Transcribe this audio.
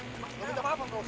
gak ada apa apa bos